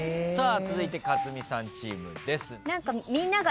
続いて克実さんチームです。